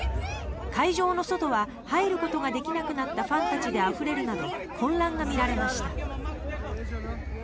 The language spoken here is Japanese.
会場の外は入ることができなくなったファンたちであふれるなど混乱が見られました。